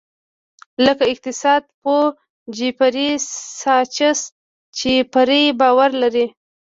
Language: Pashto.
لکه اقتصاد پوه جیفري ساچس چې پرې باور لري.